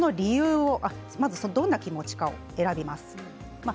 まず、どんな気持ちか選びます。